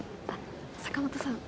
坂本さん